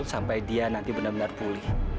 sampai dia nanti benar benar pulih